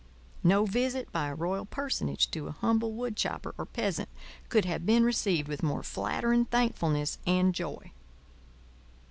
No visit by a royal personage to a humble woodchopper or peasant could have been received with more flattering thankfulness and joy.